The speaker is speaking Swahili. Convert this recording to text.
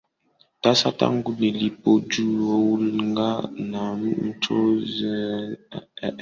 tisa tangu nilipojiunga naoMchezaji yeyote anacheza kwa nia ya kupata fedha kama huoni